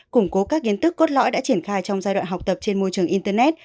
củng cố các kiến thức cốt lõi đã triển khai trong giai đoạn học tập trên môi trường internet